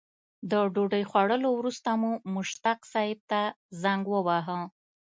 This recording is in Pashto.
د ډوډۍ خوړلو وروسته مو مشتاق صیب ته زنګ وواهه.